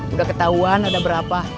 udah ketahuan ada berapa